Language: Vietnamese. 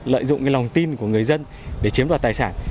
lợi dụng lòng tin của người dân để chiếm đoạt tài sản